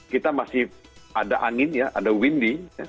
kita masih ada angin ya ada windy